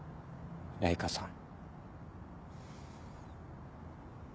ライカさん。